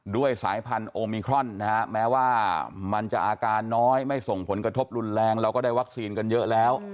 สายพันธุ์โอมิครอนนะฮะแม้ว่ามันจะอาการน้อยไม่ส่งผลกระทบรุนแรงเราก็ได้วัคซีนกันเยอะแล้ว